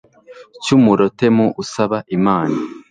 cy umurotemu u asaba imana